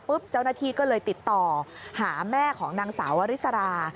เจ้าหน้าที่ก็เลยติดต่อหาแม่ของนางสาววริสรา